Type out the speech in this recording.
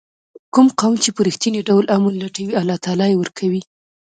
کوم قوم چې په رښتیني ډول امن لټوي الله تعالی یې ورکوي.